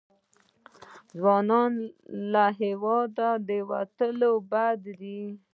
ځوانان له هېواده وتل بد دي.